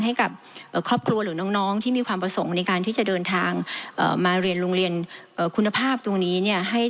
ให้กับครอบครัวหรือน้องที่มีความประสงค์ในการที่จะเดินทางมาเรียนโรงเรียนคุณภาพตรงนี้เนี่ย